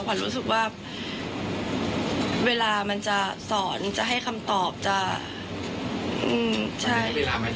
ขวัญรู้สึกว่าเวลามันจะสอนจะให้คำตอบจะใช่